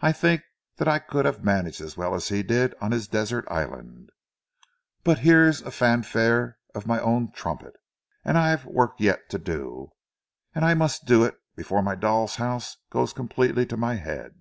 I think that I could have managed as well as he did on his desert island. But here's a fanfare on my own trumpet! And I've work yet to do, and I must do it before my doll's house goes completely to my head."